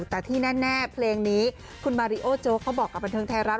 แต่ที่แน่เพลงนี้คุณมาริโอโจ๊กเขาบอกกับบันเทิงไทยรัฐ